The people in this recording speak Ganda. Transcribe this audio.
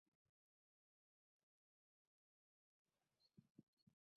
Bano abasabye bakolere wamu okukolera abantu.